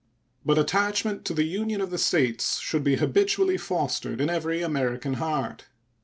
But attachment to the Union of the States should be habitually fostered in every American heart.